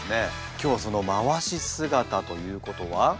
今日はそのまわし姿ということは。